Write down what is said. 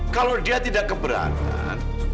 kalau dia tidak keberatan